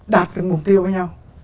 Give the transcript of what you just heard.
đạt được mục tiêu với nhau